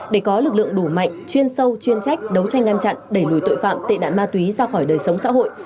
để có lực lượng đủ mạnh chuyên sâu chuyên trách đấu tranh ngăn chặn đẩy lùi tội phạm tệ nạn ma túy ra khỏi đời sống xã hội